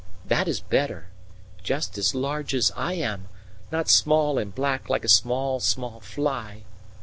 That is better. Just as large as I am not small and black like a small, small fly."